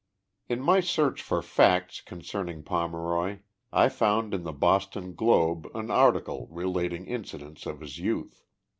In my search for facts concerning Pomeroy I found in the Boston Globe an article relating incidents of his youth.